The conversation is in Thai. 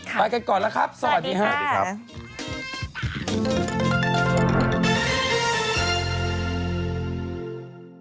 ไปกันก่อนแล้วครับสวัสดีค่ะ